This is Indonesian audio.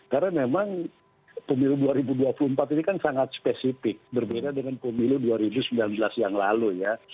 karena memang pemilu dua ribu dua puluh empat ini kan sangat spesifik berbeda dengan pemilu dua ribu sembilan belas yang lalu ya